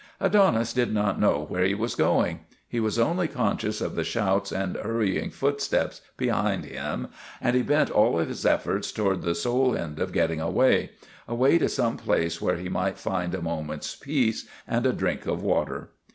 Adonis did not know where he was going. He was only conscious of the shouts and hurrying foot steps behind him, and he bent all his efforts toward the sole end of getting away away to some place where he might find a moment's peace and a drink of water.